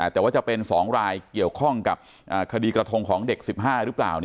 แต่ว่าจะเป็น๒รายเกี่ยวข้องกับคดีกระทงของเด็ก๑๕หรือเปล่า